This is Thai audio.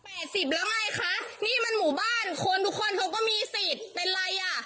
แล้วไงคะนี่มันหมู่บ้านคนทุกคนเขาก็มีสิทธิ์เป็นไรอ่ะ